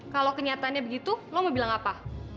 kalau kenyataannya begitu lo mau bilang apa